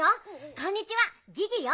こんにちはギギよ。